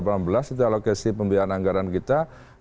itu alokasi pembiayaan anggaran kita